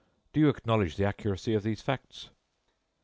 Do you acknowledge the accuracy of these facts?"